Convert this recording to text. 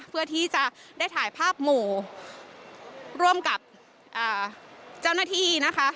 เพื่อที่จะได้ถ่ายภาพหมู่ร่วมกับเจ้าหน้าที่นะคะ